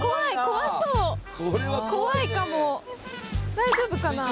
大丈夫かな？